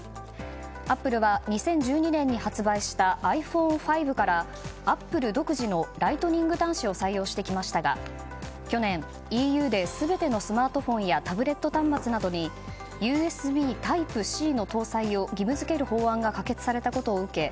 アップルは２０１２年に発売したｉＰｈｏｎｅ５からアップル独自のライトニング端子を採用してきましたが去年ＥＵで全てのスマートフォンやタブレット端末などにＵＳＢタイプＣの搭載を義務付ける法案が可決されたことを受け